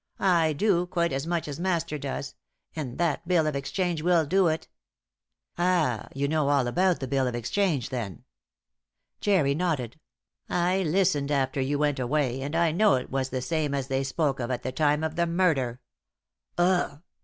I do, quite as much as master does; and that bill of exchange will do it. "Ah! you know all about the bill of exchange, then?" Jerry nodded. "I listened after you went away, and I know it was the same as they spoke of at the time of the murder. Ugh!"